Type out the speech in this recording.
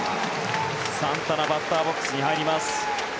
サンタナバッターボックスに入ります。